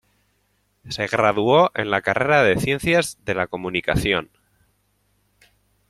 Se graduó en la carrera de Ciencias de la Comunicación.